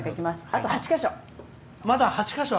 あと８か所。